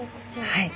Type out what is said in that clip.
はい。